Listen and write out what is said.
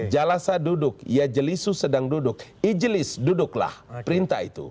jalasa duduk ya jelisu sedang duduk ijelis duduklah perintah itu